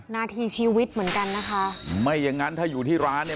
นาทีชีวิตเหมือนกันนะคะไม่อย่างงั้นถ้าอยู่ที่ร้านเนี่ย